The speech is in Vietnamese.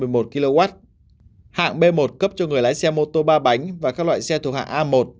cụ thể giấy phép đáy xe hạng b một cấp cho người lái xe mô tô ba bánh và các loại xe thuộc hạng a một